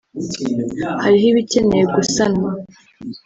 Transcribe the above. hariho ibikeneye gusanwa